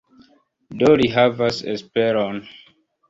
Do li havas esperon.